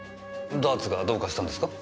ダーツがどうかしたんですか？